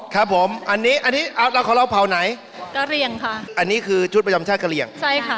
ท่านนี้รู้ลึกรู้จริง